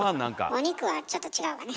お肉はちょっと違うわね。